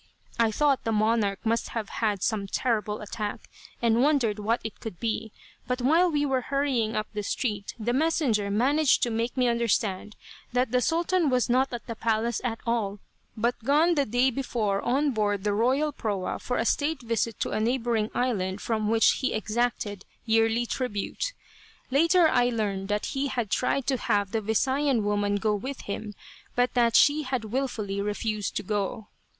I thought the monarch must have had some terrible attack, and wondered what it could be, but while we were hurrying up the street the messenger managed to make me understand that the Sultan was not at the palace at all, but gone the day before on board the royal proa for a state visit to a neighboring island from which he exacted yearly tribute. Later I learned that he had tried to have the Visayan woman go with him, but that she had wilfully refused to go.